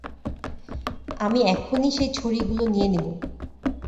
আমি এখনই সেই ছড়িগুলো নিয়ে নিবো।